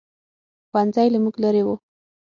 ښوؤنځی له موږ لرې ؤ